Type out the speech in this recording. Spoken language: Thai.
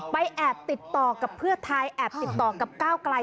แอบติดต่อกับเพื่อไทยแอบติดต่อกับก้าวไกล